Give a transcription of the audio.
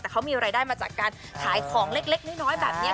แต่เขามีรายได้มาจากการขายของเล็กน้อยแบบนี้